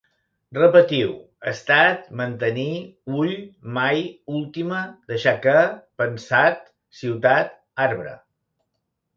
Repetiu: estat, mantenir, ull, mai, última, deixar que, pensat, ciutat, arbre